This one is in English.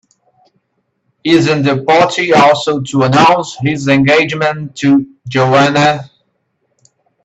Isn't the party also to announce his engagement to Joanna?